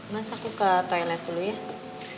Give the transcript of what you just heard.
mas aku ke toilet dulu ya